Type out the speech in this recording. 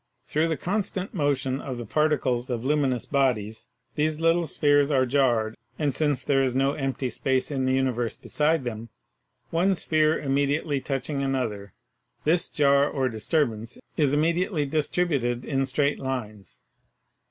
Through the constant motion of the particles of luminous bodies these little spheres are jarred, and since there is no empty space in the uni verse beside them, one sphere immediately touching an other, this jar or disturbance is immediately distributed in straight lines.